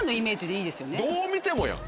どう見てもやん。